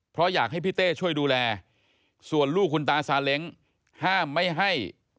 เพราะอยากให้พี่เต้ช่วยดูแลส่วนลูกคุณตาซาเล้งห้ามไม่ให้